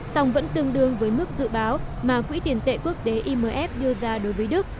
song vẫn tương đương với mức dự báo mà quỹ tiền tệ quốc tế imf đưa ra đối với đức